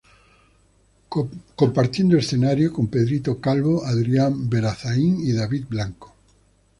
Compartiendo escenario con "Pedrito Calvo","Adrian Berazain","David Blanco".